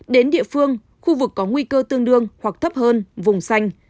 đến địa phương khu vực có nguy cơ tương đương hoặc thấp hơn vùng xanh